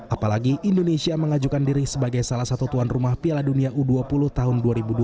apalagi indonesia mengajukan diri sebagai salah satu tuan rumah piala dunia u dua puluh tahun dua ribu dua puluh